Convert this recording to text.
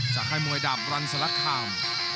จากไข่มวยดาบรวรรณสละขาม